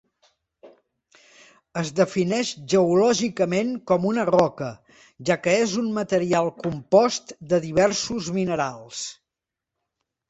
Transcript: Es defineix geològicament com una roca, ja que és un material compost de diversos minerals.